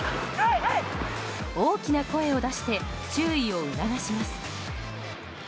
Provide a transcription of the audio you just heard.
大きな声を出して注意を促します。